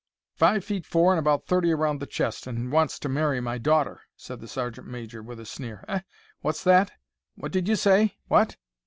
"Five feet four and about thirty round the chest, and wants to marry my daughter!" said the sergeant major, with a sneer. "Eh? What's that? What did you say? What?"